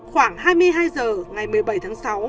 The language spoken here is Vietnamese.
khoảng hai mươi hai h ngày một mươi bảy tháng sáu